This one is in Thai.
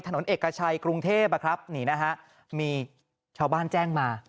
ถนนเอกชัยกรุงเทพนี่นะฮะมีชาวบ้านแจ้งมา